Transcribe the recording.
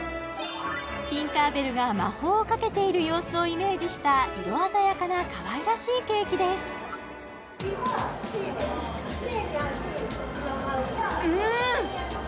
ティンカー・ベルが魔法をかけている様子をイメージした色鮮やかなかわいらしいケーキですうーん！